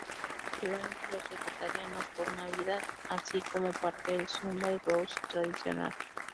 Es popular entre los vegetarianos por Navidad, así como parte del "Sunday roast" tradicional.